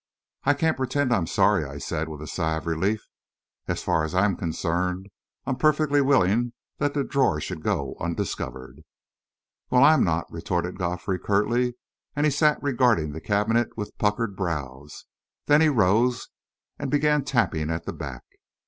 "I can't pretend I'm sorry," I said, with a sigh of relief. "As far as I am concerned, I'm perfectly willing that the drawer should go undiscovered." "Well, I am not!" retorted Godfrey, curtly, and he sat regarding the cabinet with puckered brows. Then he rose and began tapping at the back.